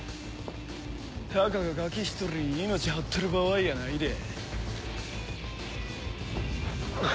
たかがガキ１人に命張ってる場合やないで。